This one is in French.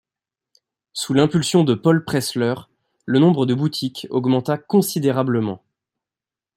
Sous l'impulsion de Paul Pressler, le nombre de boutiques augmenta considérablement.